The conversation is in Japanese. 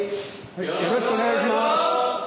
よろしくお願いします。